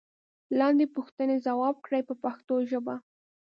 لاندې پوښتنې ځواب کړئ په پښتو ژبه.